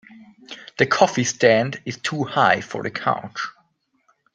The coffee stand is too high for the couch.